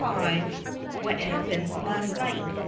_) WHAT HAPPENED LAST NIGHT!